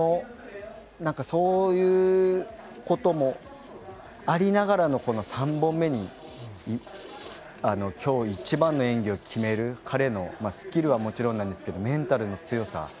そういうこともありながらのこの３本目に今日、一番の演技を決める彼のスキルはもちろんなんですけどメンタルの強さ。